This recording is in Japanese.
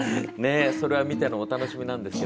それは見てのお楽しみです。